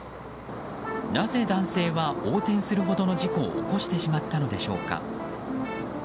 なぜ男性は横転するほどの事故を起こしてしまったのでしょうか。